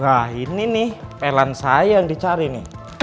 nah ini nih pelan saya yang dicari nih